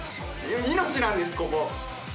命なんですここ。